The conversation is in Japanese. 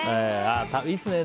いいですね。